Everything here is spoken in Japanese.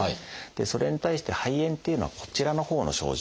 それに対して肺炎っていうのはこちらのほうの症状。